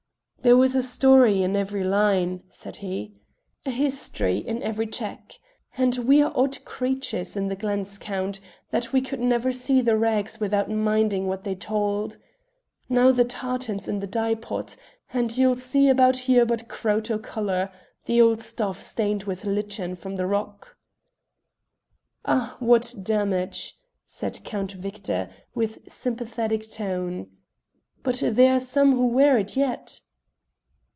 "There was a story in every line," said he, "a history in every check, and we are odd creatures in the glens, Count, that we could never see the rags without minding what they told. Now the tartan's in the dye pot, and you'll see about here but crotal colour the old stuff stained with lichen from the rock." "Ah, what damage!" said Count Victor with sympathetic tone. "But there are some who wear it yet?"